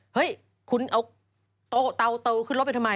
เฮ้ยคุณเอาเตาโตขึ้นรถไปทำไม